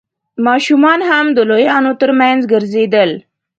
ماشومان هم د لويانو تر مينځ ګرځېدل.